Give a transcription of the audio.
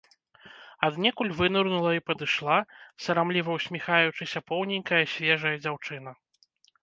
Аднекуль вынырнула і падышла, сарамліва ўсміхаючыся, поўненькая свежая дзяўчына.